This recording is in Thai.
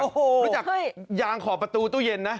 โอ้โหรู้จักยางขอบประตูตู้เย็นนะ